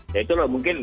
yaitu loh mungkin